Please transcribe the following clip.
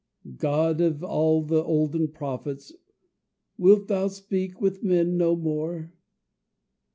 "God of all the olden prophets, Wilt thou speak with men no more?